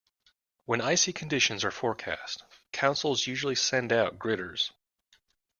When icy conditions are forecast, councils usually send out gritters.